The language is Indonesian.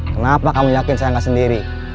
kenapa kamu yakin saya nggak sendiri